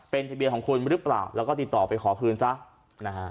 เป็นทะเบียนของคุณหรือเปล่าแล้วก็ติดต่อไปขอคืนซะนะฮะ